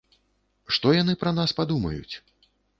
Што яны пра нас падумаюць?